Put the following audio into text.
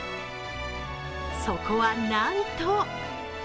そこはなんと！